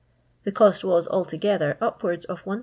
The cost was, altogether, upwards of 1800